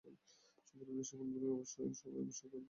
সুতরাং এই সোপানগুলি সবই আবশ্যক এবং আমাদের সহায়ক।